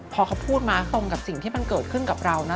พอเขาพูดมาตรงกับสิ่งที่มันเกิดขึ้นกับเรานะ